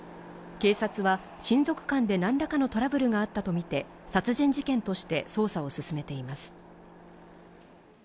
警察は親族間で何らかのトラブルがあったとみて、殺人事件として捜査を進めています。